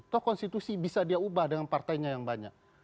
toh konstitusi bisa dia ubah dengan partainya yang banyak